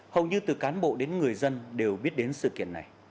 hầu như từ cán bộ đến người dân đều biết đến sự kiện này